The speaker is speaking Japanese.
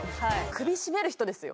首絞める人ですよ。